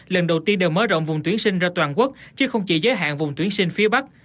lần đầu tiên đều mở rộng vùng tuyển sinh ra toàn quốc chứ không chỉ giới hạn vùng tuyển sinh phía bắc